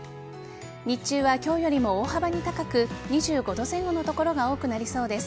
日中は今日よりも大幅に高く２５度前後の所が多くなりそうです。